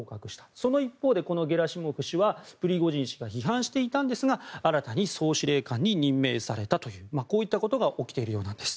その一方で、このゲラシモフ氏はプリゴジン氏が批判していたんですが、新たに総司令官に任命されたというこういったことが起きているようなんです。